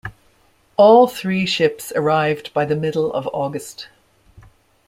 All three ships arrived by the middle of August.